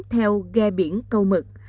theo ghe biển câu mực